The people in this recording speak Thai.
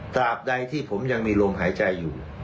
ตราบใดที่ผมยังมีลมหายใจอยู่